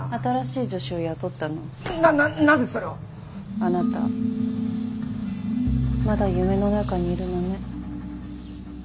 あなたまだ夢の中にいるのね。